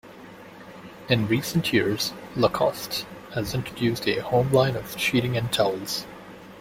In recent years, Lacoste has introduced a home line of sheeting and towels.